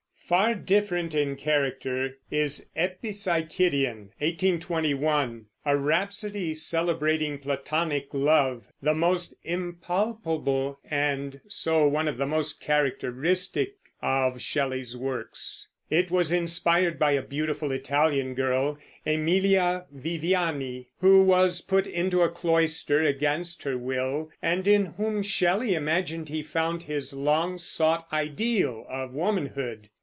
Far different in character is Epipsychidion (1821), a rhapsody celebrating Platonic love, the most impalpable, and so one of the most characteristic, of all Shelley's works. It was inspired by a beautiful Italian girl, Emilia Viviani, who was put into a cloister against her will, and in whom Shelley imagined he found his long sought ideal of womanhood.